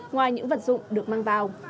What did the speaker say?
ngoài những vật dụng được mang vào